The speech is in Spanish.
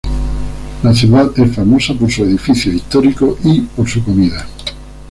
La ciudad es famosa por sus edificios históricos y por su comida.